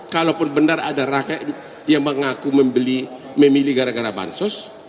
kalaupun benar ada rakyat yang mengaku membeli memilih gara gara bansos